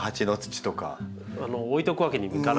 置いておくわけにもいかない。